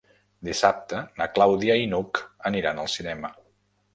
Dissabte na Clàudia i n'Hug aniran al cinema.